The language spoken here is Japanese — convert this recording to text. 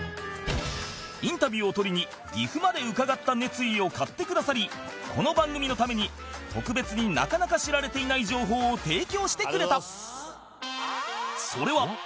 インタビューを撮りに岐阜まで伺った熱意を買ってくださりこの番組のために特別になかなか知られていない情報を提供してくれた